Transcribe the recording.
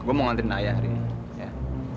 eh gue mau nganterin ayah hari ini ya